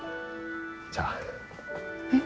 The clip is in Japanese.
じゃあ。え。